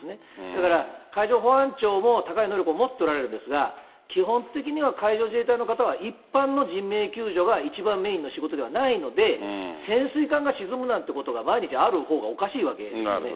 だから、海上保安庁も高い能力を持っておられるんですが、基本的には海上自衛隊の方は、一般の人命救助が一番メインの仕事ではないので、潜水艦が沈むなんていうことが毎日あるほうがおかしいわけですよね。